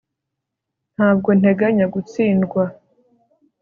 Ntabwo nteganya gutsindwa